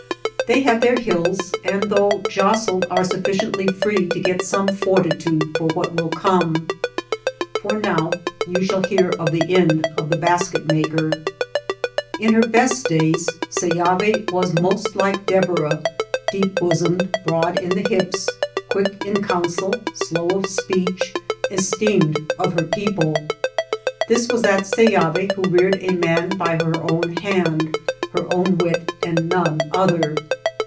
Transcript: They have \ their hills, and though jostled are suffi ciently free to get some fortitude for what j will come. For now you shall hear of the end of the basket maker. In her best days Seyavi was most like Deborah, deep bosomed, broad in the hips, c|inckjnjcounsel^ slow^f speech, esteemed of her people. This was that Seyavi who reared a man by her own hand, her own wit, and none other.